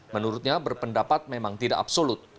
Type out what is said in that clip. menurutnya berpendapat memang tidak absolut